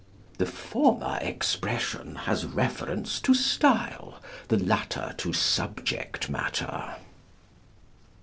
The former expression has reference to style; the latter to subject matter.